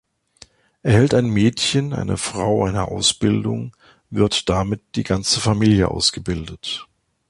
Erhält ein Mädchen, eine Frau eine Ausbildung, wird damit die ganze Familie ausgebildet.